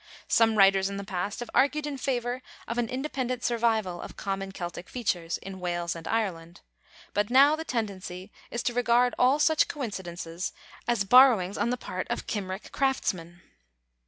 Some writers in the past have argued in favor of an independent survival of common Celtic features, in Wales and Ireland, but now the tendency is to regard all such coincidences as borrowings on the part of Cymric craftsmen.